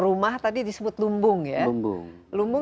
terima kasih pak musician